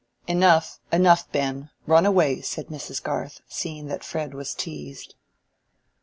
"Enough, enough, Ben! run away," said Mrs. Garth, seeing that Fred was teased.